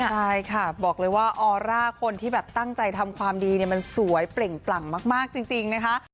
ใช่ค่ะบอกเลยว่าออร่าคนที่แบบตั้งใจทำความดีเนี่ยมันสวยเปล่งปลั่งมากจริงนะคะ